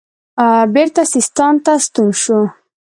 بیرته سیستان ته ستون شو.